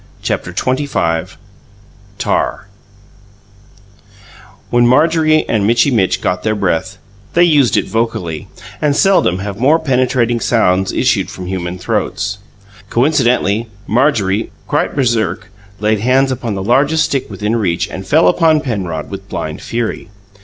CHAPTER XXV TAR When Marjorie and Mitchy Mitch got their breath, they used it vocally; and seldom have more penetrating sounds issued from human throats. Coincidentally, Marjorie, quite baresark, laid hands upon the largest stick within reach and fell upon Penrod with blind fury.